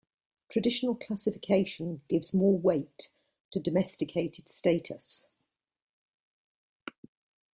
Traditional classification gives more weight to domesticated status.